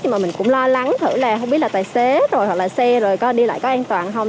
nhưng mà mình cũng lo lắng thử là không biết là tài xế rồi hoặc là xe rồi có đi lại có an toàn không